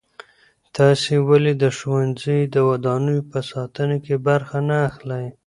تاسې ولې د ښوونځیو د ودانیو په ساتنه کې برخه نه اخلئ؟